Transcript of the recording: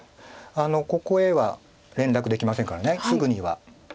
ここへは連絡できませんからすぐには。